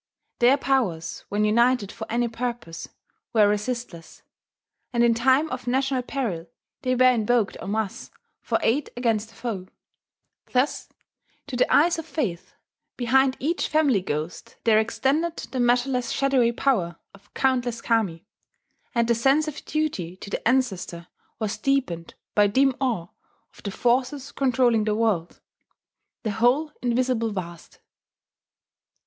Their powers, when united for any purpose, were resistless; and in time of national peril they were invoked en masse for aid against the foe .... Thus, to the eyes of faith, behind each family ghost there extended the measureless shadowy power of countless Kami; and the sense of duty to the ancestor was deepened by dim awe of the forces controlling the world, the whole invisible Vast.